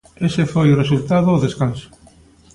Ese foi o resultado ao descanso.